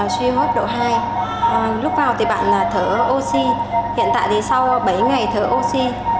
suy hốt độ hai lúc vào thì bạn thở oxy hiện tại thì sau bảy ngày thở oxy